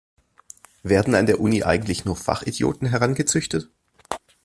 Werden an der Uni eigentlich nur Fachidioten herangezüchtet?